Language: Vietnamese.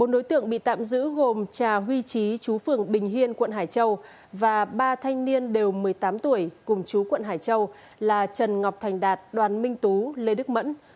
bốn đối tượng bị tạm giữ gồm trà huy trí chú phường bình hiên quận hải châu và ba thanh niên đều một mươi tám tuổi cùng chú quận hải châu là trần ngọc thành đạt đoàn minh tú lê đức mẫn